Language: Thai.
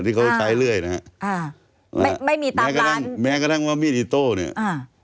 ที่เขาใช้เรื่อยนะฮะอ่าไม่ไม่มีตังค์แม้กระทั่งแม้กระทั่งว่ามีดอิโต้เนี้ยอ่า